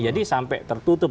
jadi sampai tertutup